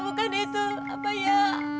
bukan itu apa ya